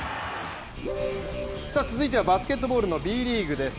続いてはバスケットボールのＢリーグです。